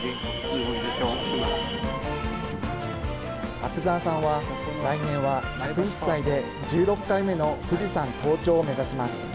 阿久澤さんは来年は１０１歳で１６回目の富士山登頂を目指します。